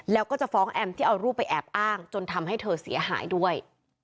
แล้วก็จะฟ้องแอมที่เอารูปไปแอบอ้างจนทำให้เธอเสียหายด้วย